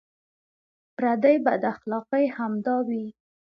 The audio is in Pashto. پردۍ بداخلاقۍ همدا وې.